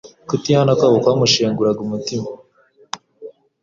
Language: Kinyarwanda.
Kutihana kwabo kwamushenguraga umutima.